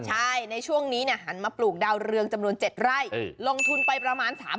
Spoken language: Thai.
ใช่ในช่วงนี้หันมาปลูกดาวเรืองจำนวน๗ไร่ลงทุนไปประมาณ๓๐๐